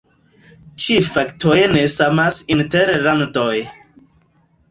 Ĉi faktoj ne samas inter landoj.